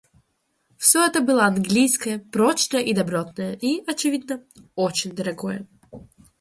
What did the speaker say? Всё это было английское, прочное и добротное и, очевидно, очень дорогое.